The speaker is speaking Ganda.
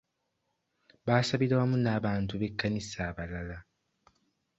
Baasabira wamu n'abantu b'ekkanisa abalala.